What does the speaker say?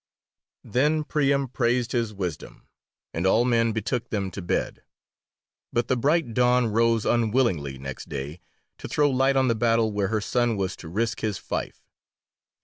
Then Priam praised his wisdom, and all men betook them to bed, but the bright Dawn rose unwillingly next day, to throw light on the battle where her son was to risk his fife.